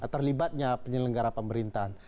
terlibatnya penyelenggara pemerintahan